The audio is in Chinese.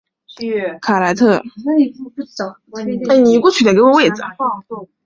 佩盖罗勒德莱斯卡莱特。